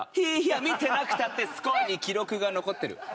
いや見てなくたってスコアに記録が残ってる。